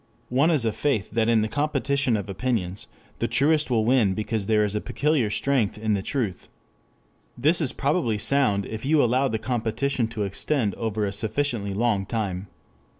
One is a faith that in the competition of opinions, the truest will win because there is a peculiar strength in the truth. This is probably sound if you allow the competition to extend over a sufficiently long time.